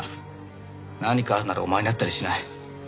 何かあるならお前に会ったりしない。